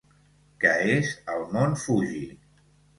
Què és el Mont Fuji?